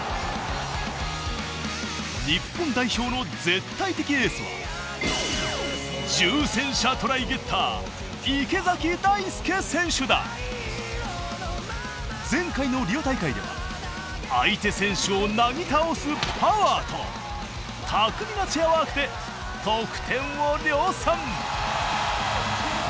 日本代表の絶対的エースは前回のリオ大会では相手選手をなぎ倒すパワーと巧みなチェアワークで得点を量産！